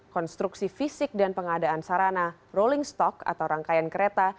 konstruksi fisik dan pengadaan sarana rolling stock atau rangkaian kereta